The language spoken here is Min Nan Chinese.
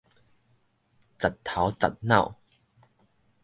實頭實腦